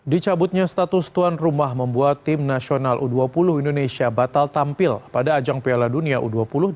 dicabutnya status tuan rumah membuat tim nasional u dua puluh indonesia batal tampil pada ajang piala dunia u dua puluh dua